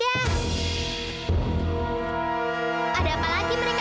kalau kamu ketahuan nanti kamu pasti jadi rebutan warga